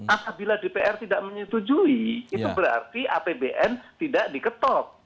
apabila dpr tidak menyetujui itu berarti apbn tidak diketok